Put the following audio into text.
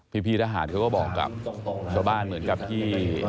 พี่ทหารเขาก็บอกกับชาวบ้านเหมือนกับที่